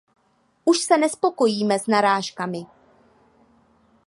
Už se nespokojíme s náhražkami.